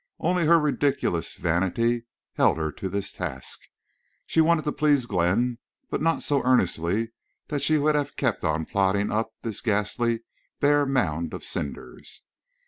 Only her ridiculous vanity held her to this task. She wanted to please Glenn, but not so earnestly that she would have kept on plodding up this ghastly bare mound of cinders.